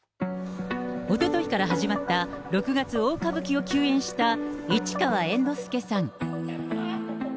おとといから始まった六月大歌舞伎を休演した市川猿之助さん。